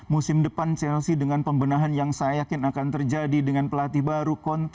musim depan chelsea dengan pembenahan yang saya yakin akan terjadi dengan pelatih baru kontes